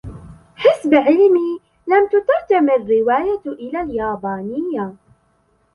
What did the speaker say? حسب علمي ، لم تترجم الرواية إلى اليابانية.